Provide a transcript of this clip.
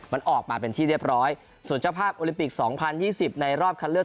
มันออกมาเป็นที่เรียบร้อยส่วนเจ้าภาพโอลิมปิก๒๐๒๐ในรอบคันเลือก